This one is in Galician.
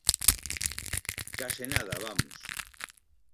Case nada, vamos.